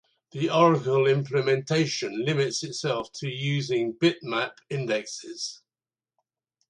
The Oracle implementation limits itself to using bitmap indexes.